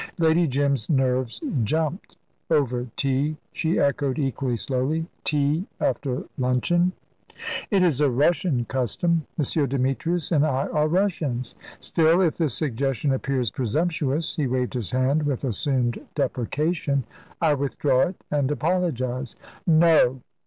Lady Jim's nerves jumped. "Over tea," she echoed equally slowly "tea, after luncheon?" "It is a Russian custom. M. Demetrius and I are Russians. Still, if the suggestion appears presumptuous" he waved his hand with assumed deprecation "I withdraw it and apologise." "No!"